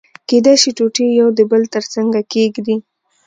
کېدای شي ټوټې يو د بل تر څنګه کېږدي.